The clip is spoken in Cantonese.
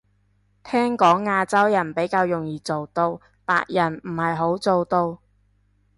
聽講亞洲人比較容易做到，白人唔係好做到